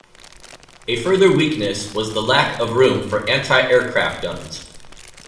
A further weakness was the lack of room for anti-aircraft guns.